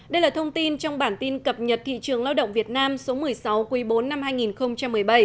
đây là thông tin trong bản tin cập nhật thị trường lao động việt nam số một mươi sáu quý bốn năm hai nghìn một mươi bảy